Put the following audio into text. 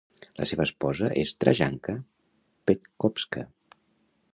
La seva esposa es Trajanka Petkovska.